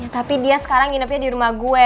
tapi dia sekarang nginepnya di rumah gue